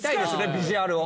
ビジュアルを。